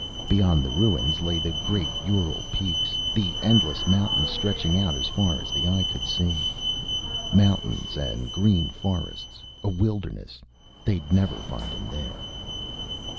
Beyond the ruins lay the great Ural peaks, the endless mountains, stretching out as far as the eye could see. Mountains and green forests. A wilderness. They'd never find him there.